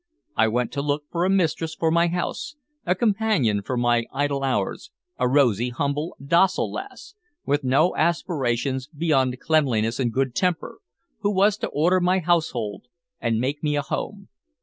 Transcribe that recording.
I went to look for a mistress for my house, a companion for my idle hours, a rosy, humble, docile lass, with no aspirations beyond cleanliness and good temper, who was to order my household and make me a home.